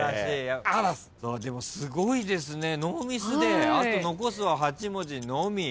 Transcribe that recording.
すごいですねノーミスで残すは８文字のみ。